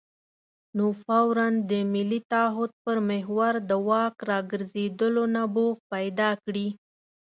نو فوراً د ملي تعهد پر محور د واک راګرځېدلو نبوغ پیدا کړي.